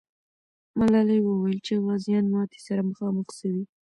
ملالۍ وویل چې غازیان ماتي سره مخامخ سوي.